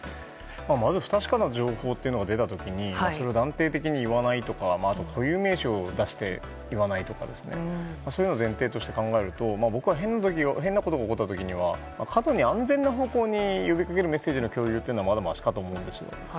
不確かな情報が出た時に断定的に言わないとか固有名詞を出して言わないとかそういうの前提として考えると僕は変なことが起こった時には過度に安全な方向に呼びかけるメッセージはまだましかと思うんです。